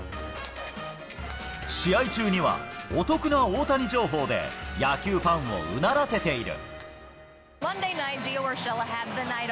試合中には、お得な大谷情報で、野球ファンをうならせている。